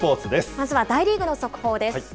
まずは大リーグの速報です。